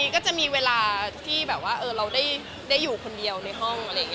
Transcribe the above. ก็จะมีเวลาราวว่าเราได้อยู่คนเดียวในห้อง